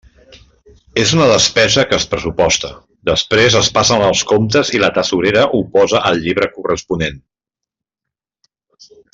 És una despesa que es pressuposta, després es passen els comptes i la tresorera ho posa al llibre corresponent.